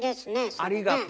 ありがとう。